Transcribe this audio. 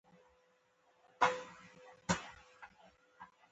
دا بند د هډوکو د هرې خوا د څرخېدلو لامل ګرځي.